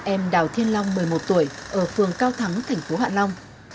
em đào thiên long một mươi một tuổi ở phường cao thắng thành phố hạ long